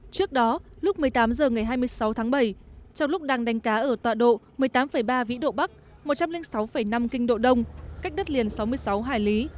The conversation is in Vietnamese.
trước đó lúc một mươi tám h ngày hai mươi sáu tháng bảy trong lúc đang đánh cá ở tọa độ một mươi tám ba vĩ độ bắc một trăm linh sáu năm kinh độ đông cách đất liền sáu mươi sáu hải lý